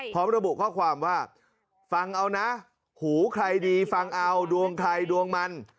พร้อมระบุข้อความว่าฟังเอานะหูใครดีฟังเอาดวงใครดวงมัน